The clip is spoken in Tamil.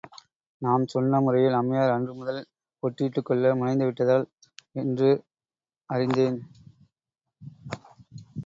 நாம் சொன்ன முறையில் அம்மையார் அன்று முதல் பொட்டிட்டுக் கொள்ள முனைந்து விட்டதால் என்று அறிந்தேன்.